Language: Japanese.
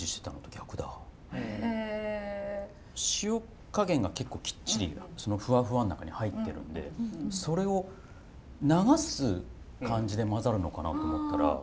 塩加減が結構きっちりそのフワフワの中に入ってるんでそれを流す感じで混ざるのかなと思ったら。